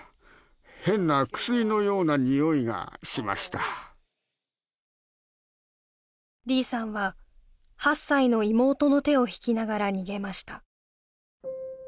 変な薬のような臭いがしました李さんは８歳の妹の手を引きながら逃げました